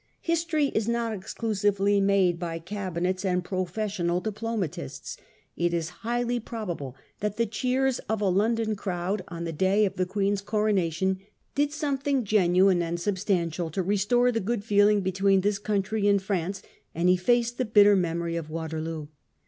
History is not exclusively made by cabinets and professional diplomatists. It is highly probable that the cheers of a London crowd on the day of the Queen's coronation did something genuine and substantial to restore the good feeling between this country and France, and efface the bitter memories of Waterloo.